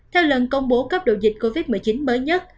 theo lần công bố cấp độ dịch covid một mươi chín mới nhất